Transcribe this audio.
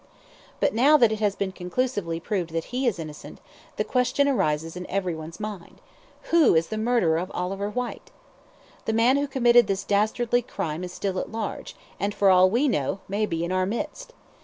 "But now that it has been conclusively proved that he is innocent, the question arises in every one's mind, 'Who is the murderer of Oliver Whyte?' The man who committed this dastardly crime is still at large, and, for all we know, may be in our midst.